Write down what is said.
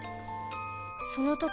その時